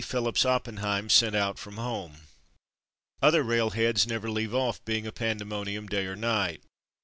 Phillips Oppen heim sent out from home. Other railheads never leave off being a pandemonium day or night.